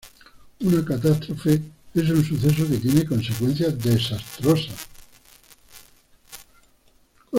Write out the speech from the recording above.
Una catástrofe es un suceso que tiene consecuencias desastrosas.